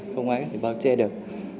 không ai có thể bao che được